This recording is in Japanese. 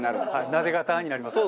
なで肩になりますね。